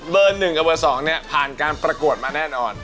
เบอร์หนึ่งกับเบอร์สองเนี่ยผ่านการประกวดมาแน่นอน